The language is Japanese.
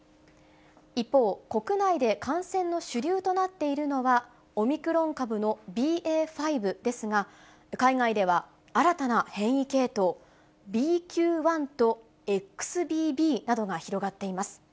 一方、国内で感染の主流となっているのは、オミクロン株のＢＡ．５ですが、海外では新たな変異系統、ＢＱ．１とＸＢＢなどが広がっています。